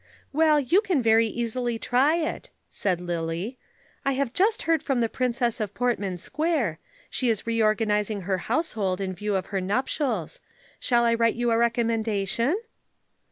"Well, you can very easily try it," said Lillie. "I have just heard from the Princess of Portman Square she is reorganizing her household in view of her nuptials. Shall I write you a recommendation?"